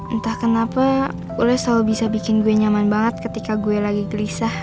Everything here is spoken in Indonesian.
entah kenapa gue selalu bisa bikin gue nyaman banget ketika gue lagi gelisah